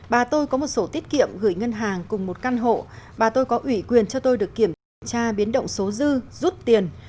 bà tôi có một sổ tiết kiệm gửi ngân hàng cùng một căn hộ bà tôi có ủy quyền cho tôi được kiểm tra biến động số dư rút tiền